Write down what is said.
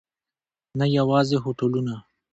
نه یوازې هوټلونه.